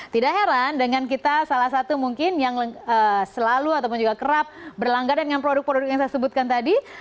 tidak heran dengan kita salah satu mungkin yang selalu ataupun juga kerap berlangganan dengan produk produk yang saya sebutkan tadi